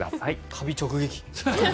カビ直撃。